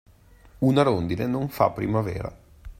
Una rondine non fa primavera.